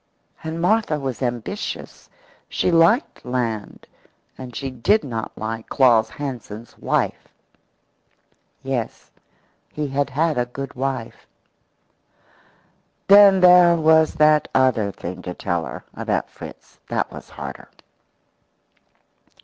And Martha was ambitious; she liked land, and she did not like Claus Hansen's wife. Yes, he had had a good wife. Then there was that other thing to tell her about Fritz. That was harder.